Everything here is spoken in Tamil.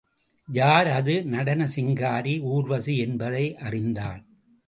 யார் அது? நடன சிங்காரி ஊர்வசி என்பதை அறிந்தான்.